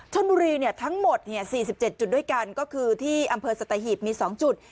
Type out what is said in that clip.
ชนบุรีทั้งหมด๔๗จุดด้วยกันก็คือที่อำเภอสัตหีบมี๒จุด